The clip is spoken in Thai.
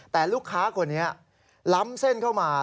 แต่ลูกค้าคนนี้ล้ำเส้นเข้ามา